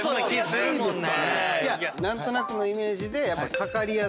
何となくのイメージで。